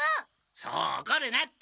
そうおこるなって。